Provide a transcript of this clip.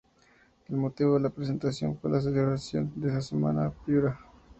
El motivo de la presentación fue la celebración de la Semana de Piura.